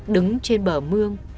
đứng trên bờ mương